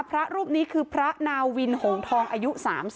พระรูปนี้คือพระนาวินหงทองอายุ๓๒